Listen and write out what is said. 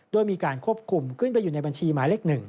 โดยมีการควบคุมขึ้นไปอยู่ในบัญชีหมายเลข๑